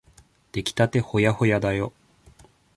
できたてほやほやだよ。